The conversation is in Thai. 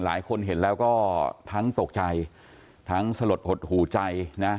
หลายคนเห็นแล้วก็ทั้งตกใจทั้งสลดหดหูใจนะ